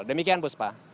demikian bu supa